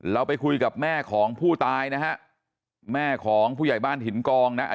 เราไปคุยกับแม่ของผู้ตายนะฮะแม่ของผู้ใหญ่บ้านหินกองนะ